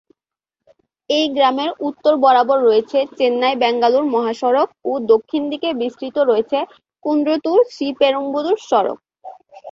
এই গ্রামের উত্তর বরাবর রয়েছে চেন্নাই-বেঙ্গালুরু মহাসড়ক ও দক্ষিণ দিকে বিস্তৃত রয়েছে কুন্দ্রতুর-শ্রীপেরুম্বুদুর সড়ক।